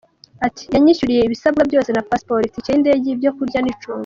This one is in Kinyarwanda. Ati“Yanyishyuriye ibisabwa byose na pasiporo, itike y’indege, ibyo kurya n’icumbi.